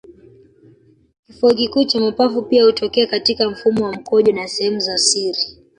kifua kikuu cha mapafu pia hutokea katika mfumo wa mkojo na sehemu za siri